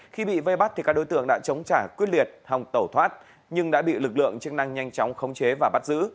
khi bị vây bắt các đối tượng đã chống trả quyết liệt hòng tẩu thoát nhưng đã bị lực lượng chức năng nhanh chóng khống chế và bắt giữ